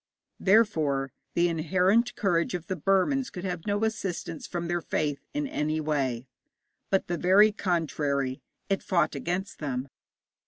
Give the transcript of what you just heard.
Therefore the inherent courage of the Burmans could have no assistance from their faith in any way, but the very contrary: it fought against them.